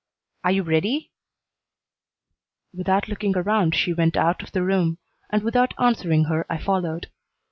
Are you ready?" Without looking around she went out of the room, and without answering her I followed.